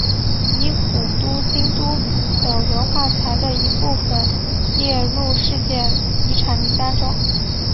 以古都京都的文化财的一部份列入世界遗产名单中。